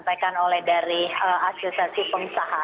saya akan menjawab dari asosiasi pengusaha